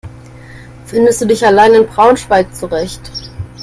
Findest du dich allein in Braunschweig zurecht?